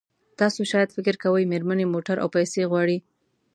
تاسو شاید فکر کوئ مېرمنې موټر او پیسې غواړي.